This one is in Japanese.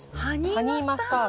ハニーマスタード。